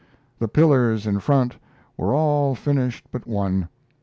The pillars in front were all finished but one.